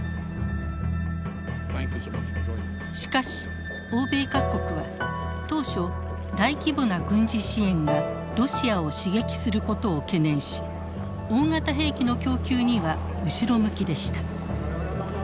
しかし欧米各国は当初大規模な軍事支援がロシアを刺激することを懸念し大型兵器の供給には後ろ向きでした。